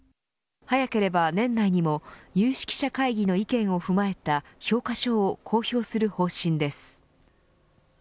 早ければ年内にも有識者会議の意見を踏まえた評価書を公表する方針です。